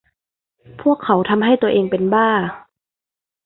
พวกเขาทำให้ตัวเองเป็นบ้า